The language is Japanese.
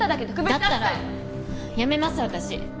だったらやめます私。